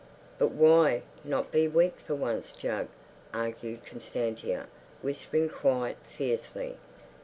"But why not be weak for once, Jug?" argued Constantia, whispering quite fiercely.